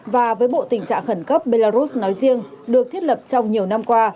và với bộ tình trạng khẩn cấp belarus nói riêng được thiết lập trong nhiều năm qua